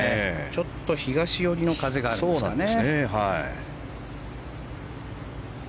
ちょっと東寄りの風があるんですかね。